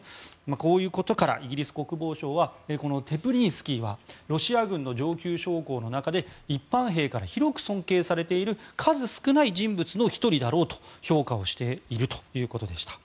こういうことからイギリス国防省はこのテプリンスキーはロシア軍の上級将校の中で一般兵から広く尊敬されている数少ない人物の１人だろうと評価しているということでした。